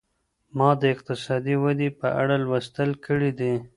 ما د اقتصادي ودي په اړه لوستل کړي دي.